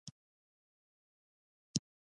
وطن زموږ د سولې، پرمختګ او خوشحالۍ نښه ده.